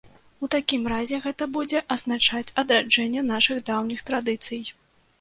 У такім разе, гэта будзе азначаць адраджэнне нашых даўніх традыцый.